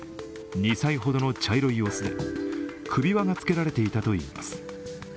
２歳ほどの茶色い雄で首輪がつけられていたといいます。